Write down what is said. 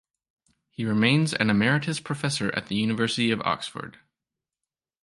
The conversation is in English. He remains an emeritus professor at the University of Oxford.